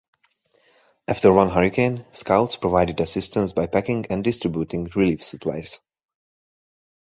After one hurricane, Scouts provided assistance by packing and distributing relief supplies.